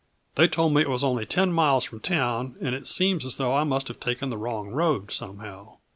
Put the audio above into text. They told me it was only ten miles from town and it seems as though I must have taken the wrong road, somehow.